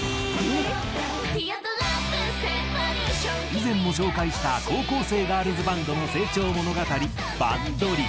以前も紹介した高校生ガールズバンドの成長物語『バンドリ！』。